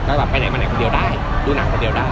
ก็แบบไปไหนมาไหนคนเดียวได้ดูหนังคนเดียวได้